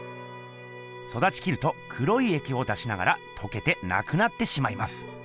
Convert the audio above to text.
そだちきると黒いえきを出しながらとけてなくなってしまいます。